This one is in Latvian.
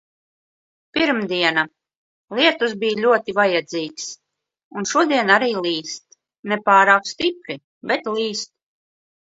Pirmdiena. Lietus bija ļoti vajadzīgs. Un šodien arī līst. Ne pārāk stipri, bet līst.